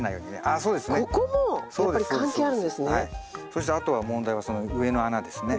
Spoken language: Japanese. そしてあとは問題はその上の穴ですね。